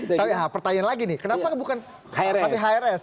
tapi pertanyaan lagi nih kenapa bukan hrs